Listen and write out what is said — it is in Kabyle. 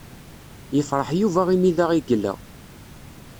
Yefṛeḥ Yuba imi da i yella.